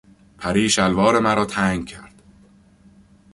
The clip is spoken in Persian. پری شلوار مرا تنگ کرد.